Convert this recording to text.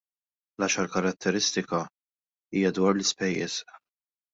L-għaxar karatteristika hija dwar l-ispejjeż.